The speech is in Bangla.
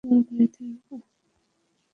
তোমার বাড়িতে আসবো?